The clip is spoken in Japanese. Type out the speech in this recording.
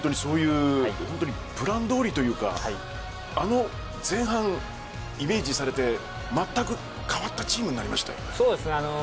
本当にプランどおりというかあの前半イメージされてまったく変わったチームになりましたね。